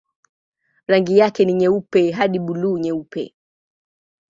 Rangi yake ni nyeupe hadi buluu-nyeupe.